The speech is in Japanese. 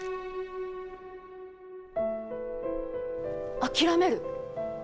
諦める？